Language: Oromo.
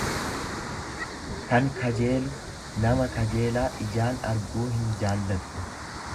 kan kajeelu; Nama kajeelaa ijaan arguu hinjaalladhu.